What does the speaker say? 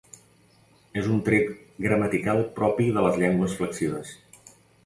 És un tret gramatical propi de les llengües flexives.